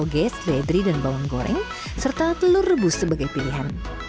mie goba berisi mie toge seledri dan bawang goreng serta telur rebus sebagai pilihan